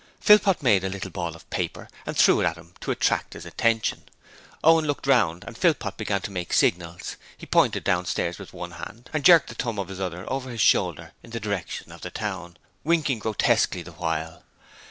Philpot made a little ball of paper and threw it at him to attract his attention. Owen looked round and Philpot began to make signals: he pointed downwards with one hand and jerked the thumb of the other over his shoulder in the direction of the town, winking grotesquely the while.